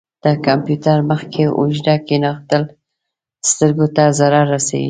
د کمپیوټر مخ کې اوږده کښیناستل سترګو ته ضرر رسوي.